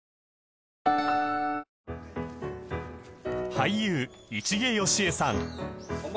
俳優市毛良枝さん